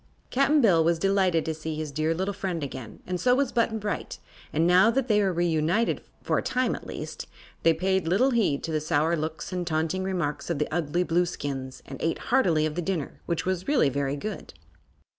Cap'n Bill was delighted to see his dear little friend again, and so was Button Bright, and now that they were reunited for a time, at least they paid little heed to the sour looks and taunting remarks of the ugly Blueskins and ate heartily of the dinner, which was really very good.